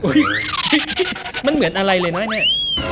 อุ้ยมันเหมือนอะไรเลยน้อยเนี่ย